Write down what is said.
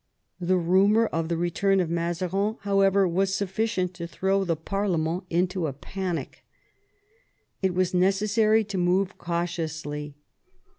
The rumour of the return of Mazarin, however, was sufficient to throw the pa/rlement into a panic. It was necessary to move cautiously.